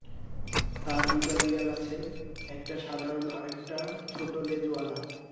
তার দুইটা বিড়াল আছে, একটা সাধারণ আরেকটা ছোট লেজওয়ালা।